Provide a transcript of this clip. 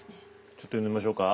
ちょっと呼んでみましょうか。